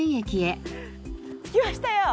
着きましたよ！